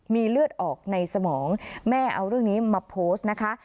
มีเลือดออกในสมองแม่เอาเรื่องนี้มาโพสต์นะคะ